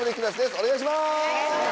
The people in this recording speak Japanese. お願いします！